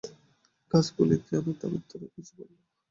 গাছগুলি যেন তার উত্তরেও কিছু বলল।